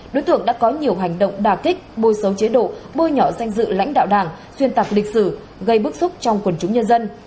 đối tượng đã có nhiều hành động đà kích bôi xấu chế độ bôi nhọ danh dự lãnh đạo đảng xuyên tạc lịch sử gây bức xúc trong quần chúng nhân dân